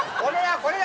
これだ！